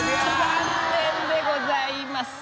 残念でございます。